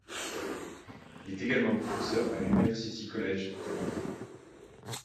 Il est également professeur à l'University College de Londres.